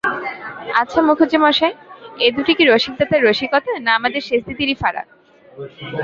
আচ্ছা মুখুজ্যেমশায়, এ দুটি কি রসিকদাদার রসিকতা, না আমাদের সেজদিদিরই ফাঁড়া?